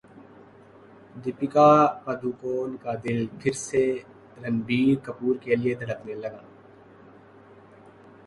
دپیکا پڈوکون کا دل پھر سے رنبیر کپور کے لیے دھڑکنے لگا